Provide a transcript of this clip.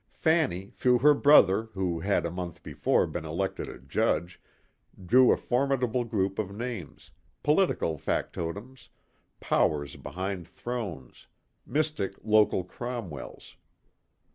Fanny, through her brother who had a month before been elected a judge, drew a formidable group of names political factotums, powers behind thrones, mystic local Cromwells.